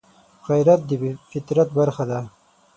غیرت د فطرت برخه ده